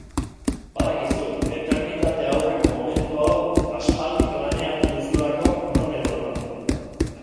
Badakizu, eternitate aurreko momentu hau aspaldi planeatu duzulako non edo non.